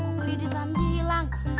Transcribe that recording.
kok keridik ramji hilang